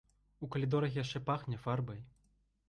У калідорах яшчэ пахне фарбай.